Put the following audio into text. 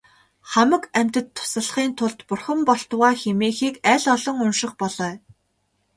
Хамаг амьтдад туслахын тулд бурхан болтугай хэмээхийг аль олон унших болой.